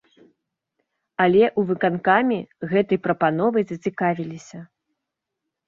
Але ў выканкаме гэтай прапановай зацікавіліся.